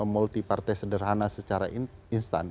multi partai sederhana secara instan